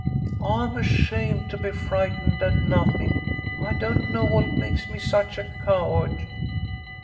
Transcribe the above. I'm ashamed to be frightened at nothing. I don't know what makes me such a coward."